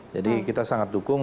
jadi kita sangat dukung